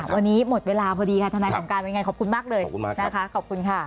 วันนี้หมดเวลาพอดีค่ะธนายสมการขอบคุณมากเลยขอบคุณค่ะ